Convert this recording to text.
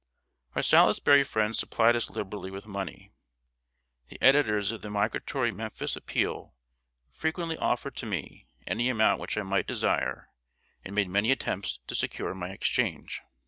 ] Our Salisbury friends supplied us liberally with money. The editors of the migratory Memphis Appeal frequently offered to me any amount which I might desire, and made many attempts to secure my exchange.